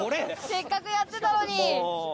せっかくやってたのに。